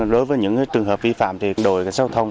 đối với những trường hợp vi phạm thì đội giao thông